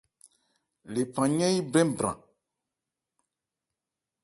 Lephan yɛ́n yí brɛ bran.